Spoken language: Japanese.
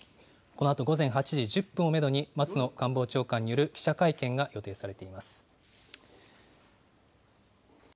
このあと午前８時１０分をメドに、松野官房長官による記者会見が予定されています。